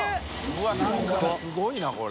Δ錣何かすごいなこれ。